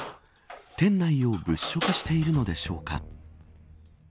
店内を物色しているのでしょうか。